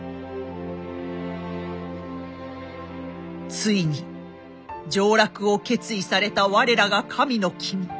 ついに上洛を決意された我らが神の君。